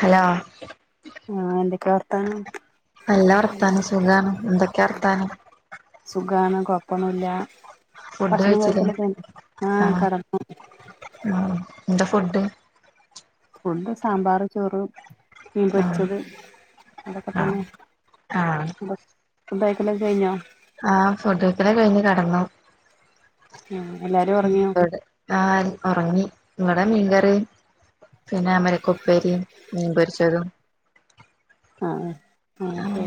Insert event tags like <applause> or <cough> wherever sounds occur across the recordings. Hello. ആഹ് എന്തൊക്കെയാ വർത്താനം നല്ല വർത്താനം സുഖാണ് എന്തൊക്കെ വർത്താനം. സുഖാണ് കൊഴപ്പന്നുല്ല ഫുഡ് ഭക്ഷണം കഴിച്ചില്ലേ കയ്ക്കലൊക്കെ കഴിഞ്ഞോ ആഹ്കട ന്നു ആഹ് ന്താ ഫുഡ് ഫുഡ് സാമ്പാർ, ചോറ്, ആഹ് മീൻപൊരിച്ചത് അതൊക്കെ ആഹ് തന്നെ. ആഹ് <unintelligible> ഫുഡയിക്കലൊക്കെ കഴിഞ്ഞോ ആഹ് ഫുഡയ്ക്കലൊക്കെ കഴിഞ്ഞു കെടന്നു. ആഹ് എല്ലാരും മ് ഒറങ്ങിയോ ബട് ആഹ് ഒറങ്ങി ഇവടെ മീൻകറിം. പിന്നെ അമരക്കുപ്പേരും മീൻപൊരിച്ചതും. ആഹ് അഹ് ആഹ്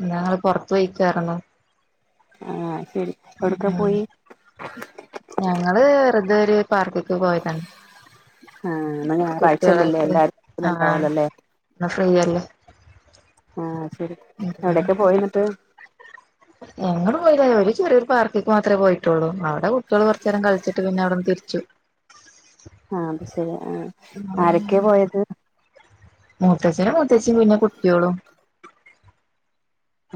ഇന്നങ്ങള് പൊറത്ത് പോയിക്കാര്ന്നു. ആഹ് അയ് ശെരി. ഉം ഉം ഞങ്ങള് വെറുതൊര് പാർക്ക്ക്ക് പോയതാണ്. ആഹ് ഇന്ന്‌ ഞാറാഴ്ചല്ലലെ കുട്ടികളായിട്ട് എല്ലാരും ഇന്നും ആഹ് ഉണ്ടാവൊല്ലോലെ. ഇന്ന് ഫ്രീയല്ലേ. ആഹ് ശെരി എവിടൊക്കെ പോയി ന്ന്ട്ട്. എങ്ങെടും പോയിറ്റ്ല്ല ഒരു ചെറിയൊരു പാർക്ക്ക്ക് മാത്രേ പോയിട്ടുള്ളു അവ് ടെ കുട്ടിയോള് കൊർച്ചേരം കൾച്ച്ട്ട് പിന്നവിട്ന്ന് തിരിച്ചു. ആഹ് അത് ശെരി ആഹ് ആരെക്കെ പോയത്. മൂത്തച്ഛനും മൂത്തച്ചിം പിന്നെ കുട്ട്യോളും.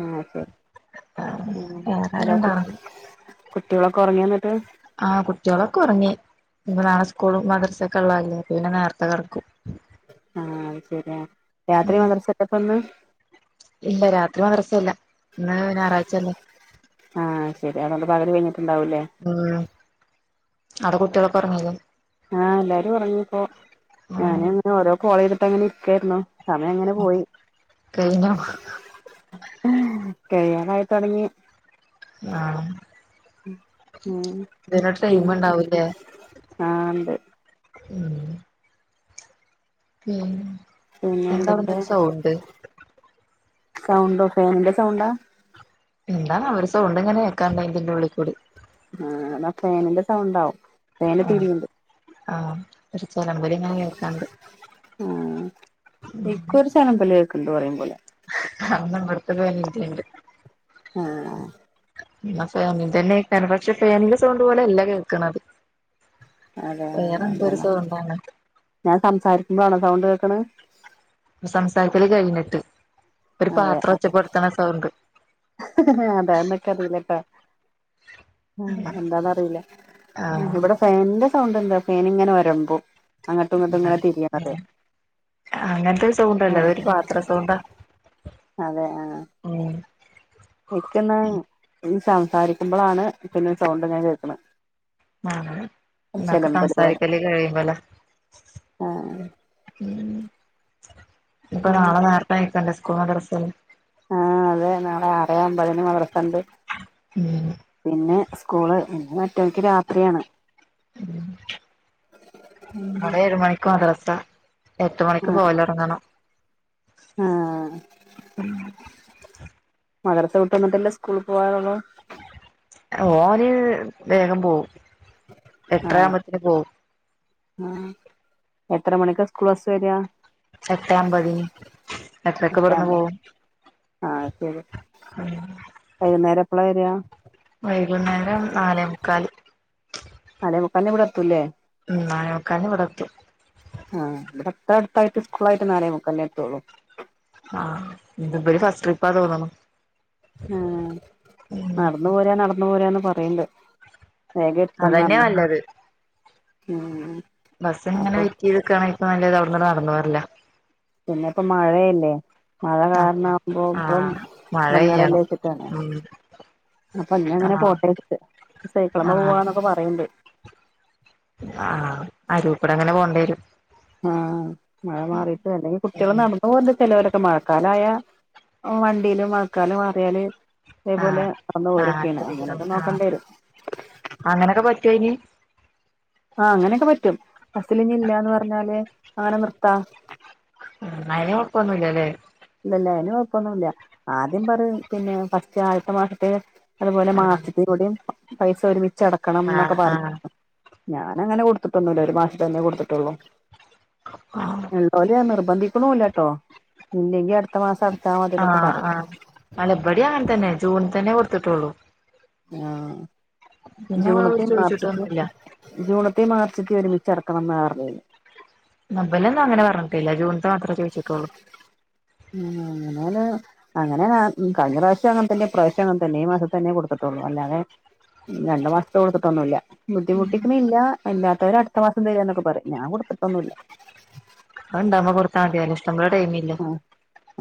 ആഹ് ശെരി ഉം വേറെ ആരും അല്ല കുട്ട് ഉണ്ടാർന്നില്ല കുട്ട്യോളൊക്കെ ഒറങ്യോന്നിട്ട്. ആഹ് കുട്ട്യോളൊക്കെ ഒറങ്ങി ഞ്പ്പ നാളെ സ്കൂളും മദ്രസൊക്കെ ഇള്ളഹല്ലേ അപ്പൊ പിന്നെ നേര്ത്തെ കെടക്കും. ആഹ് അഹ് ശെരിയാ രാത്രി മദ്രസ്ട്ടപ്പന്ന്. ഇല്ല രാത്രി മദ്രസഇല്ല ഇന്ന് ഞാറാഴ്ചയല്ലേ ആഹ് ശെരിയാ അതോണ്ട് പകല് കഴിഞ്ഞ്ട്ട്ണ്ടാവൂല്ലേ ഉം അടെ കുട്ടിയാളൊക്കെ ഒറങ്ങീലെ. ആഹ് എല്ലാരും ഒർങ്ങിപ്പൊ ഞാന് ഇങ്ങനെ ഓരോ കോളെയ്തിട്ട് അങ്ങനെ ഇരിക്കാര്ന്നു. സമയം ഇങ്ങനെ പോയി കഴിഞ്ഞോ ഹ് കഴിയാറായി തൊടങ്ങി. ആഹ്. ഉം ഇതിന് പിന്നെ ട്രെയ്മ് ഇണ്ടാവുല്ലേ ആഹ് ഉണ്ട് ഉം. പിന്നെ പിന്നെ എന്താ എന്തൊക്കെ അവിട്ന്നൊരു സൗണ്ട്. സൗണ്ടോ ഫേനിന്റെ സൗണ്ടാ എന്താണാവോ ഒരുസൗണ്ട്ങ്ങനെ കേക്കാണ്ട് അയ് ഇതിന്റെ ഉള്ള് കൂടി. ആഹ് അതാ ഫേനിന്റെ സൗണ്ടാവും ഫേന് ആ തിരീണ്ട്. ആഹ് ഒര് ചെലമ്പല് ഇങ്ങനെ കേക്കാണ്ട് ആഹ് എൻക് ഒര് ചെലമ്പല് കേക്കണ്ട് പറയും പോലെ <unintelligible> ആഹ് പശെ അങ്ങൻ തന്നെ എക്കാരം ഫാന്റെ സൗണ്ട് പോലെ അല്ല കേക്കണത് അതെ വേറെന്തോ ഒര് എന്താന്നാ സൗണ്ടാണ് ഞാൻ സംസാരിക്ക്മ്പോഴാ ആണോ സൗണ്ട് കേക്കാണെ സംസാരത്തിര് കയിഞ്ഞിട്ട് ഒരാ പാത്രം ഒച്ചപ്പെട്ത്താണ സൗണ്ട് ആഹ് അതാ എന്നൊക്കെ അറിയില്ലാട്ടാ ഉം എന്താന്ന് അറിയില്ല ആഹ് ഇവടെ ഫേന്റെ സൗണ്ട് അല്ലാ ഫേൻംഇങ്ങനെ ഒരമ്പും അങ്ങോട്ടും ഇങ്ങോട്ടും ഇങ്ങനെ തിരിയണത് അങ്ങനത്തെ സൗണ്ടല്ലോ അത് ഒര് പാത്ര സൗണ്ടാ അതെ ആഹ് ഉം ഇക്ന്നാ ഈ സംസാരിക്ക്മ്പളാണ് പിന്നെ സൗണ്ട് ഞാൻ കേക്കാണേ ആഹ് <unintelligible> ചെലമ്പല് പോലെ സംസാരിക്കാല്ല് ട്ടാര കയിമ്പാള ആ ഉം ഇപ്പൊ ഉം. നാളെ നേറത്തെ അയക്കണ്ടേ സ്കുളാ മദ്രസ് ആഹ് അതെ നാളെ ആറെ അമ്പതിന് മദ്രസ ഇണ്ട് ഉം പിന്നെ സ്കൂള് പിന്നെ മറ്റൊല്ക്ക് രാത്രിയാണ് ഉം ഇടെ ഏഴുമണിക്ക് മദ്രസ എട്ട് മണിക്ക് പോവലാ <unintelligible> ആഹ് ഉം മദ്രസ വിട്ട് വന്നിട്ട് അല്ലേ സ്കൂളി പോകറോ ഒള്ളു ഓന് വേഗം പോവും എട്ടാരമ്പത്തിനേ പോവൂം ആഹ് എത്ര മണിക്കാ സ്കൂള് ബെസ് വേരിക എട്ടേ അമ്പതിന് ഏട്ടരക്ക് ഇബടന്ന് പോവും ആഹ് ശേരി വൈക്ന്നേരം എപ്പളാ വെരാ വൈക്ന്നേരം നാലേ മുക്കാല് നാലേ മുക്കാല് ഇവടെ എത്തൂല്ലേ ഉം നാലേ മുക്കാലിന് ഇവടെ എത്തും ആഹ് തെട്ട് അട്ത്തായിട്ട് സ്കൂളായിട്ട് നാലെ മുക്കാലിനെ എത്തു ഒള്ളൂ ആഹ് ഇത് വഴി ഫസ്റ്റ് ട്രിപ്പാ തോന്നണു ആഹ് നടന്ന് പോരാ നടന്ന് പോരാന്ന് പറയ്ണ്ട് വേഗം എത്തും അതന്നെയാ പർഞ്ഞ് നല്ലത് ഉം ബസ് ഇങ്ങനെ അപ്പൊ വെയ്റ്റ്യ്ത്ക്കാണേ ഇക് നല്ലത് അവടന്ന് നടന്ന് പോരാലാ പിന്നെ ഇപ്പം മയായല്ലേ മയാ കാരണം ആഹ് ആവ്മ്പോ ഇപ്പം ആഹ് മഴ പെയ്യണം എടങ്ങേറല്ലെ ച്ട്ടണേ ഉം അപ്പൊ ഇന്നങ്ങനെ അങ്ങനെ ആഹ് പോട്ടേന്ന് <unintelligible> സൈക്കള്മ്പേ ആഹ് പോവന്നൊക്കെ പറയണ്ട് ആഹ് ആഹ് അരൂക്കൂടെ അങ്ങനെ പോവണ്ടി വെരും ആഹ് മഴ മാറിട്ട് അല്ലെങ്കി കുട്ടിളോ ഉം നട <unintelligible> ചെലവലൊക്കെ മഴക്കാലായാ വണ്ടിയില് മഴക്കാലം മാറിയാല് അതേപോലെ ആഹ് അന്ന് ആഹ് ഓരോക്കെണ് അങ്ങനൊക്കെ നോക്കാണ്ടി വെരും അങ്ങനെയൊക്കെ പറ്റുവെങ്കി ആഹ് അങ്ങനൊക്കെ പറ്റും. ബെസില് ഇനി ഇല്ലാന്ന് പറ്ഞ്ഞാല് അങ്ങനെ നിർത്താം അയ്ന് കൊപ്പൊന്നും ഇല്ലല്ലേ ഇല്ലല്ല അയ്ന് കൊഴപ്പൊന്നു ഇല്ല. ആദ്യം പറയും പിന്നെ ഫസ്റ്റ് ആദ്യത്തെ മാസത്തെ. അത് പോലെ ആഹ് മാസത്തിലൂടിം പൈസ ഒരുമിച്ച് അടക്കണം ഇന്നൊക്കെ ആഹ് പറഞ്ഞ് ആഹ് ഞാനങ്ങനെ കൊടുത്തിട്ടൊന്നുല്ല. ഒരു മാസ തന്നെ കൊടുത്ത്ട്ടൊള്ളൂ ആഹ് ഇള്ളോല് നിർബന്ധിക്ക്ണൂല്ലട്ടോ ഇല്ലെങ്കി അടു ആഹ് ആഹ് അല്ല ബടീം അങ്ങൻ തന്നെ ജൂൺതന്നെ കൊട്ത്ത്ട്ടൊള്ളൂ ആഹ് പിന്നെ ജൂണിത്തിം മാർച്ചിത്തിം ചോദിച്ചിട്ടൊന്നുല്ല ജൂണിത്തിമാർച്ചിത്തി ഒരുമിച്ച് അടക്കണംന്ന് പറഞ്ഞ് ന്നബെലൊന്നും അങ്ങനെ പറഞ്ഞിട്ടില്ല ജൂണിത്തെ മാത്രേ ചോയ്ച്ട്ടൊള്ളൂ ഉം അങ്ങനാല് അങ്ങനാണ്. ഉം കഴിഞ്ഞ പ്രാവശ്യം അങ്ങൻതന്നെ ഇപ്രാവശ്യം അങ്ങൻത്തന്നെ ഈ മാസത്തെന്നെ കൊടുത്ത് ട്ടൊള്ളൂ അല്ലാതെ രണ്ടു മാസത്തെ കൊടുത്ത്ട്ടൊന്നുല്ല ബുദ്ധിമുട്ടിക്കിണില്ല. ഇല്ലാത്തോര് അടുത്ത മാസം തരാന്നൊക്കെ പറിം ഞാൻ കൊടുത്തിട്ടൊന്നുല്ല. അത് ഇണ്ടാവുമ്പോ കൊടുത്താ മതി ഇഷ്‌ടംപോലെ ടൈമില്ലെ ആ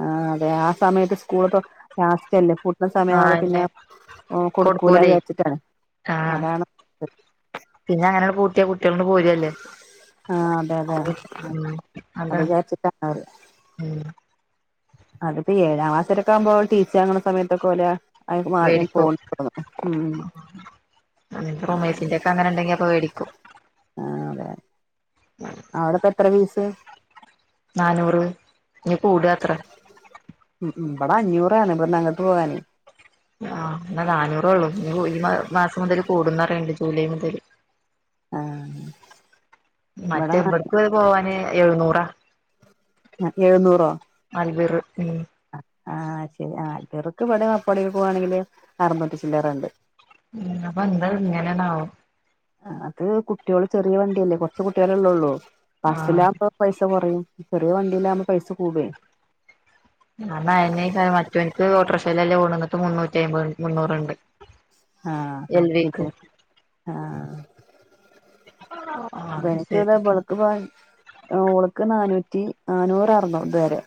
ആഹ് അതെ ആ സമയത്ത് സ്കൂള് ഇപ്പം ലാസ്റ്റ്ല്ലേ പു ആഹ് ആസമയാവുമ്പ പിന്നെ അതെന്നെ ഓൻ കൊടുക്കൂല കൊടുക്കൂലേ വിചാരിച്ചിട്ടാണ് ആഹ് അതാണ് പിന്നെ അങ്ങനെണ്ട് പൂട്ട്യാ കു ട്ട്യാേണ്ട് പോരല്ലേ. ആഹ് അതെ അതെ അവ്വ് ഉം അത് അതാണ് വിചാരിച്ചിട്ടാണ് ഉം അത്പ്പീ ഏഴാം ക്ലാസ്സാരെക്കെ ആവുമ്പൊ ടി സി വാങ്ങ്ണ സമയത്തൊക്കെ ഓലെ അയ്ക്ക് മാറി ഞാൻ വേടിക്കും പോണ്ട്ന്ന് ഉം അങ്ങനത്തെ റൊമേയ്സിന്റെ ഒക്കെ അങ്ങനെണ്ടെങ്കി ഞാ പേടിക്കും ആഹ് അതെ ആഹ് അവ്ടെപ്പെത്ര ഫീസ് നാനൂറ് ഇനി കൂടാത്രെ ഉം ഉം ഇബടെ അഞ്ഞൂറാണ് ഇബ്ട്ന്ന് അങ്ങട്ട് പോകാന്. ആഹ് ഇന്ന് നാന്നൂറൊള്ളൂ ഇനിഒരി മാസം മുതൽ കൂടും ന്നറിയിണ്ട് ജൂലൈ മുതല് ആഹ് ഇബടെ മറ്റെബ്ട്ക്ക് പോവാന് എഴുന്നൂറാ ആ എഴുന്നൂറോ അൽവിറ് ഉം ആഹ് ശരി. ആഹ് ഇർക്ക് ഇവിടെ അപ്പാടേൽ പോവാണെങ്കില് അറുന്നൂറ്റി ചില്ലറണ്ട്. ഉം അപ്പ എന്ത ഇങ്ങനെണാവം അത് കുട്ട്യേള് ചെറിയ വണ്ടിയല്ലെ കൊറ്ച്ച് കുട്ട്യളല്ലെള്ളൊള്ളൂ ആഹ് ബസ്സിലാവുമ്പം പൈസ കൊറയും ചെറിയ വണ്ടിയിലാവുമ്പം പൈസ കൂട്വ ന്ന അയ്ന്നേക്കാരം മറ്റോനിക്ക് ഓട്ടോറക്ഷേലെല്ലേ പോവ്ണത് ഇന്നട്ട് മുന്നൂറ്റി അയ്മ്പത് മുന്നൂറ്ണ്ട് ആഹ് ഇണ്ട് ആഹ് <unintelligible> ശരി ബനക്ക്താ ബൾക്ക് പോകാൻ എ് ഓള്ക്ക് നാനൂറ്റി നാന്നൂറ് ആർന്നു ഇതരെ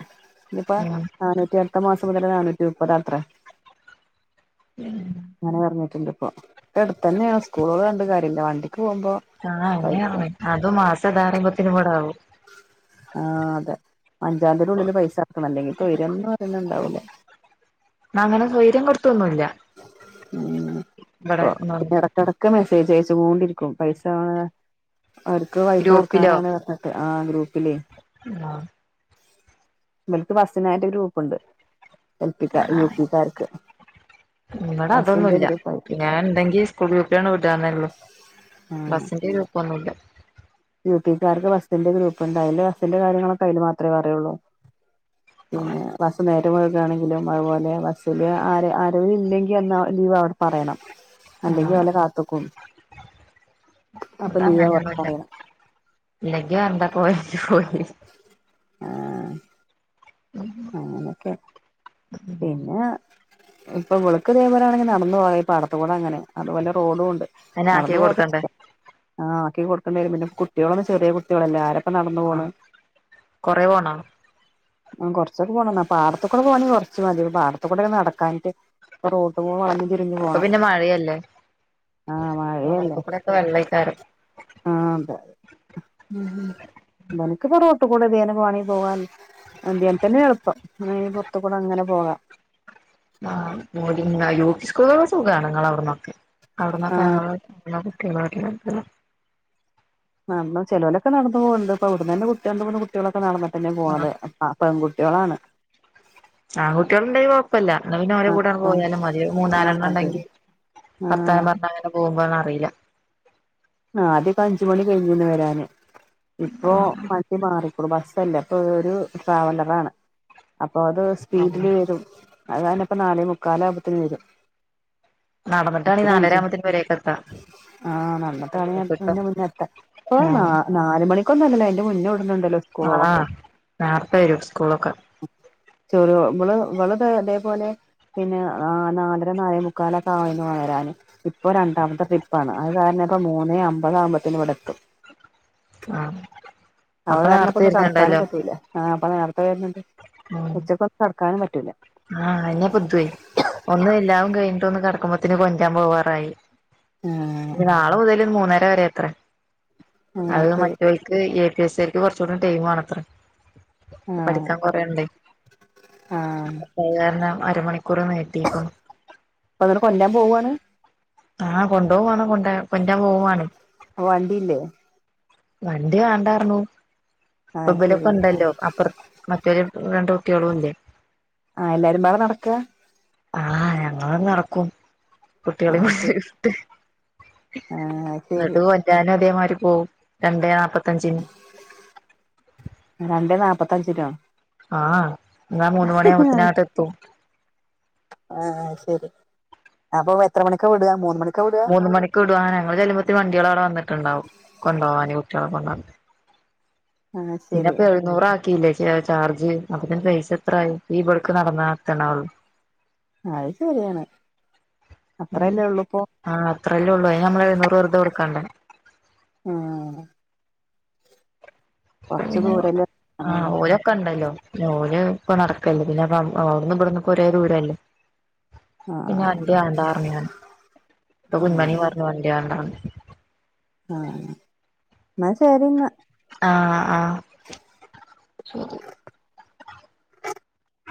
ഇഞിപ്പ ഉം നാനൂറ്റി അടുത്ത മാസം മുതല് നാന്നൂറ്റി മുപ്പതാത്രേ അങ്ങനെ പറഞ്ഞിട്ടുണ്ട് ഇപ്പൊ എടുത്തന്നെണ് സ്കൂളോള് പർഞ്ട്ട് കാര്യല്ല വണ്ടിക്ക് പോവുമ്പോ ആഹ് അഹ്ന്നെ അർഞ്ഞെ അതും മാസം ദാ പറയുമ്പത്തിനും ബടെ ആവും ആഹ് അതെ അഞ്ചാന്തിന്റെ ഉള്ളില് പൈസ അടക്കണം അല്ലെങ്കി തൊയ്‌രംന്ന് പറയുന്നത് ഇണ്ടാവൂല അങ്ങനെ സൈര്യം കെടുത്തൊന്നുല്ല ഉം <unintelligible> എടക്ക് മെസ്സേജ് അയച്ചോണ്ടിരിക്കും പൈസ അവർക്ക് പൈസ ഗ്രൂപ്പിലോ കൊടുക്കാനാണ് പർഞ്ഞ് ആഹ് ഗ്രൂപ്പിലെ ആഹ് ഇബൽക്ക് ബസ്സിനായിട്ട് ഗ്രൂപ്പ്ണ്ട് എൽ പിക്കാ യു പി ക്കാർക്ക് ഇബടെ അതൊന്നുല്ല ഗ്രൂപ്പായിട്ട് ഞാൻ ഇണ്ടെങ്കി സ്കൂൾ ഗ്രൂപ്പിലാണ്ട് വിടാന്നോള്ളു ബസ്സിന്റെ ഗ്രോപ്പോന്നുല്ല യുപിക്കാർക്ക് ബസ്സിന്റെ ഗ്രൂപ്പ്ണ്ട് അയില് ബസ്സിന്റെ കാര്യങ്ങളൊക്കെ അതില് മാത്രേ പറയോള്ളൂ പിന്നെ ബസ്സ് നേരംവെയ്കക്കാണെങ്കിലും അതുപോലെ ബസ്സില് ആര ആരവില്ലെങ്കി അന്ന് ലീവാകും പറയണം അല്ലെങ്കി ആഹ് ഓലെ കാത്തുക്കും അപ്പൊ ഇവിടെ ലീവ അങ്ങനെയൊന്നുല്ല പറയണം ഇല്ലെങ്കി വരണ്ട <unintelligible> ആഹ് അങ്ങനൊക്കെ പിന്നെ ഇപ്പൊ വെളുക്ക് ദേ പോലെണെങ്കി നടന്ന് പോവ ഈപാടത്തു കൂടെ അങ്ങനെ അതുപോലെ റോഡുണ്ട് അയിന് ആക്കി നടന്ന് പോവുക്കെ കൊടുക്കണ്ടേ ചെയ്യ ആക്കി കൊടുക്കേണ്ടിരും പിന്നെ കുട്ട്യോളൊക്കെ ചെറിയ കു കുട്ട്യോളല്ല ആരപ്പം നടന്നു ആഹ് പോണ് കൊറേ പോണോ ആഹ് കൊർച്ചൊക്കെ പോണം പാടത്ത് കൂടെ പോണങ്കി കൊർ ച്ച് മതി പാടത്തു കൂടെ നടക്കാൻറ്റ് പ്പ റൊട്ടു <unintelligible> ചെരിഞ്ഞു ഇപ്പൊ പോണം പിന്നെ മഴയല്ലേ ആഹ് മഴയല്ലേ അവർക്കക്കൂടെക്കെ വെള്ളക്കാരം ആഹ് അതെ <unintelligible> വെണങ്കി പോവാ <unintelligible> തന്നെ എൾപ്പം പിന്നെ പോർത്തു കൂടെ അങ്ങനെ പോകാ ആഹ് മോണിങ്ങായ്ലു സ്കൂളോക്കെ സുഖാണ് ഇങ്ങളെ ഔട്ന്നൊക്കെ ആ ഔട്ന്നൊക്കെ ഞങ്ങള് <unintelligible> നടന്ന് ചെലോലൊക്കെ നടന്ന് പോവ്ണ്ട് ഇപ്പ ഇവട്ന്നനെ കുട്ട്യാള് രണ്ട്, മൂന്ന് കുട്ട്യോളക്കെ നടന്നിട്ടെന്നെ ആ പോണത് ആഹ് പെൺകുട്ട്യോളാണ് ആൺ കുട്ട്യോള് ഇണ്ടെങ്കി കൊ പ്പല്ല ഇന്നാ പിന്നെ ഓലെ കൂടാണ്ട് പോയാലും മതി ആ മൂന്നാലെണ്ണം മതി ഇണ്ടെങ്കി ആ വർത്താനം പർഞ്ഞങ്ങനെ പോവുമ്പം അത് അറീല ആഹ് ആദ്യൊക്കെ അഞ്ചു മണി കഴിഞ്ഞിന്ന് വരാന് ഇപ്പൊ അ മാറിക്ണു ബസ്സല്ലപ്പ ഒരു ട്രാവലറാണ് അപ്പൊ അത് സ്പീഡില് വരും അതാണ്പ്പ നാലേ മുക്കാലാവുബത്തിന് വെരും നടന്നിട്ടാണ് എത്ര നാലര അഞ്ച് ആകുമ്പത്തിന് പെരേക്ക് എത്താ ആഹ് ന <unintelligible> ഇപ്പൊ ന നാല് മണിക്കൊന്നു അല്ലല്ലോ അയ്ന്റെ മുന്നേ വിടല്ണ്ടല്ലോ ആഹ് ന്നാർത്തെ വെരും സ്കൂളൊക്കെ ചൊരോ ഇബള് ഇബള് തെ തെപോലെ പിന്നെ ആഹ് നാലര നാലെ മുക്കാലോക്കെ ആയിണ് വരാന് ഇപ്പോ രണ്ടാമത്തെ ട്രിപ്പാണ് അത് കാരണം ഇപ്പോ മൂന്നേ അമ്പതാവുബത്തിന് ഇവിടെത്തും ആ അഹ് അപ്പൊ കാരണം പ്പം നേർത്തെ ഒന്ന് കെടക്കാനും വരുന്നുണ്ടല്ലോ പറ്റൂല ആഹ് ഇപ്പം നേര്ത്തെ വെര്ന്ണ്ട് ഉച്ചക്ക് ഒന്ന് കെട്ക്കാനും പറ്റൂല ആഹ് അഹന്നെ പത്തുയ് ഒന്ന് എല്ലാവും കഴിഞ്ഞിട്ട് ഒന്ന് കെടക്കുമ്പത്തിന് കൊണ്ട്രാൻ പോവാറായി ആഹ് നാളെ മുതല് മൂന്നര വരെത്രെ. ആഹ് അത് ശരി മറ്റോൽക്ക് എ എസ്സെര്ക്. കൊറച്ചുടെ. ടൈംണത്ര. ആഹ് പഠിക്കാൻ കൊറേണ്ടേ. ആഹ്. അയ് കാരണം അരമണിക്കൂർ. നീട്ടികുണു. പ്പതിനേ കൊല്ലാൻ പോവ്ണ്. ആഹ് കൊണ്ടോവും. കൊണ്ട. കൊണ്ട്രാ പോവുണെ.. അവണ്ടില്ലേ.? വണ്ടി വേണ്ടാർണു. ഇപ്പ ആഹ് ശരി ഇബരൊക്കെ ണ്ടല്ലോ. അപ്പർ മറ്റൊരു രണ്ട് കുട്ട്യോളും ഇല്ലേ.? ആഹ്, എല്ലാരും പാടെ നടക്കാ.. ആഹ്. ഞങ്ങളണ്ട്. നടക്കും കുട്ട്യോളി ആഹ് ശരി പുടിച്ചിട്ട്. ആഹ് ശരി ന്നട്ട്. കോണ്ട്രനും. അതേമാരി പോവും. രണ്ടേ നാപത്തഞ്ചിന്.. രണ്ടേ നാപ്പത്തഞ്ചിനൊ.? ആഹ്. ന്നാ മൂന്ന് മണിയാവ്ബത്തിഅങ്‌ട്ട് എത്തും.. ആഹ് ശരി അപ്പൊ എത്ര മണിക്കോ വിടുക മൂന്ന് മണിക്കോ വിട് മൂന്ന് മണിക്ക് വിടുവാന ഞങ്ങള് ചെല്ലുമ്പത്തിന് വണ്ടികളോവിടെന്നിട്ടുണ്ടക കൊണ്ട്പോവാന് കുട്ടികളെ കൊണ്ടപൻ. ആഹ് ശരി പിന്നെപ്പൊ എഴുന്നൂറ ആക്കിയില്ലേ ചാർജ് അപ്പന്റെ പൈസ എത്ര ആയി ഇവിടക്ക് നടന്നത്തണള്ളൂ. അത് ശരിയാണ് അത്രയല്ലേ ഉള്ളൂ ഇപ്പോ. ആഹ് അത്രല്ലേ ഉള്ളൂ അയിന് ഞമ്മൾ എഴുന്നൂറ് വെുത കൊടുക്കണ്ടേ? ആഹ്. കൊറച്ച് പിന്നെന്തുവ ദൂരല്ലേ ആഹ് കാണുള്ളൂ ഓരേ ക്കണ്ടല്ലോ ന്നേ ഇപ്പൊ നടക്കല്ലേ പിന്നെ അവിടുന്ന് ഇവിടന്ന് ഒരേ ദൂരല്ലേ? പിന്നെ ആഹ് എന്റെ ണ്ടിണ്ടാറഞ്ഞൻ ഇപ്പ കുന്മണി ആഹ് പറഞ്ഞു എന്റെ വണ്ടിണ്ടാന്ന്. ആഹ് എന്ന ശരിന്ന. ആഹ് ആഹ് ശരി.